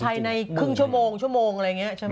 ภายในครึ่งชั่วโมงชั่วโมงอะไรอย่างนี้ใช่ไหม